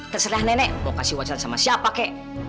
terserah nenek mau kasih wacana sama siapa kek